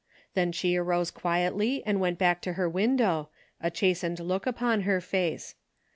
Then she arose quietly and went back to her window, a chastened look upon her face.